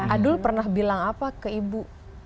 adul pernah bilang apa ke ibu